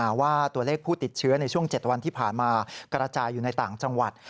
ว่าตัวเลขผู้ติดเชื้อในช่วง๗วันที่ผ่านมากระจายอยู่ในต่างจังหวัด